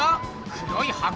黒い箱？